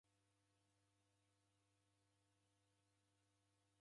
Nisimagha ughu w'uda.